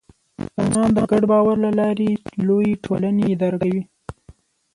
انسانان د ګډ باور له لارې لویې ټولنې اداره کوي.